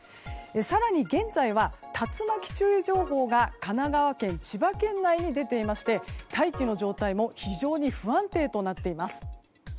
更に現在は、竜巻注意情報が神奈川県千葉県内に出ていまして大気の状態も非常に不安定となっています。